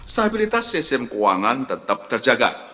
stabilitas sistem keuangan tetap terjaga